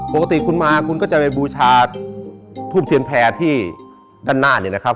ปกติคุณมาคุณก็จะไปบูชาทูบเทียนแพร่ที่ด้านหน้าเนี่ยนะครับ